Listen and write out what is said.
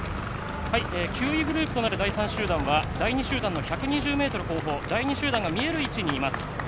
９位グループとなる第３集団は第２集団の１２０ｍ後方第２集団が見える位置にいます。